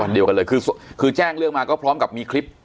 เดียวกันเลยคือคือแจ้งเรื่องมาก็พร้อมกับมีคลิป